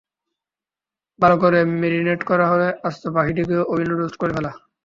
ভালো করে মেরিনেড করা হলে আস্ত পাখিটিকে ওভেনে রোস্ট করে ফেলা।